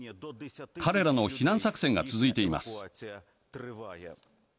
彼らの避難作戦が続いています。